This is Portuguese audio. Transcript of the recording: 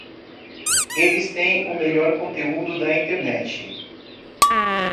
Eles têm o melhor conteúdo da internet!